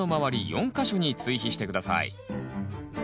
４か所に追肥して下さい。